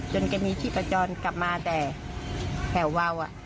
แกมีที่ประจรกลับมาแต่แถววาว